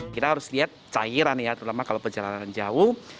kita harus lihat cairan ya terutama kalau perjalanan jauh